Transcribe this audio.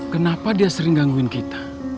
kenapa dia sering gangguin kita